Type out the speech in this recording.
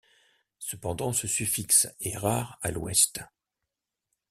Cependant, ce suffixe est rare à l'ouest.